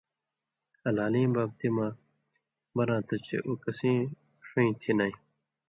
ہلالیں بابتی مہ بناں تھو چےۡ اُو کسیں ݜُون٘یں تھی نَیں